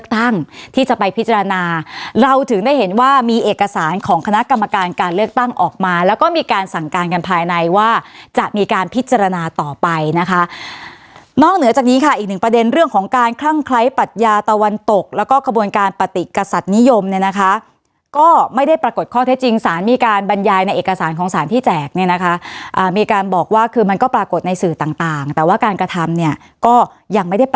ตั้งที่จะไปพิจารณาเราถึงได้เห็นว่ามีเอกสารของคณะกรรมการการเลือกตั้งออกมาแล้วก็มีการสั่งการกันภายในว่าจะมีการพิจารณาต่อไปนะคะนอกเหนือจากนี้ค่ะอีกหนึ่งประเด็นเรื่องของการคลั่งไคร้ปัดยาตะวันตกแล้วก็กระบวนการปฏิกษัตริย์นิยมเนี่ยนะคะก็ไม่ได้ปรากฏข้อเท็จจริงสารมีการบรรยายในเอกสารของสารพี่